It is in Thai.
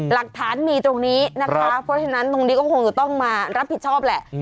หลักฐานมีตรงนี้นะคะเพราะฉะนั้นตรงนี้ก็คงจะต้องมารับผิดชอบแหละ